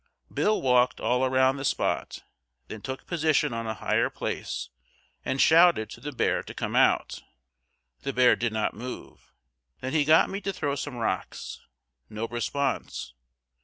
Bill walked all around the spot, then took position on a higher place and shouted to the bear to come out. The bear did not move. Then he got me to throw some rocks. No response.